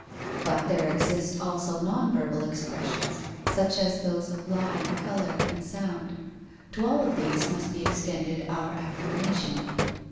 But there exist also non verbal expressions, such as those of line, colour, and sound; to all of these must be extended our affirmation.